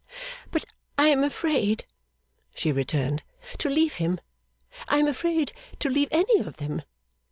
'But I am afraid,' she returned, 'to leave him, I am afraid to leave any of them.